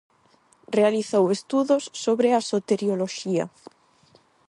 Realizou estudos sobre a soterioloxía.